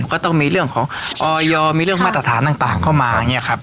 ก็ต้องมีเรื่องของออยอมีเรื่องมาตรฐานต่างเข้ามา